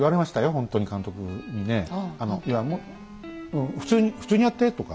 ほんとに監督にねいや「普通にやって」とか。